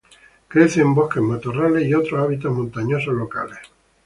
Crece en bosques, matorrales y otros hábitats montañosos locales.